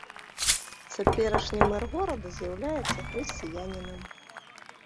Цяперашні мэр горада з'яўляецца хрысціянінам.